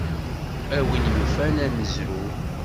A win yufan ad nezrew.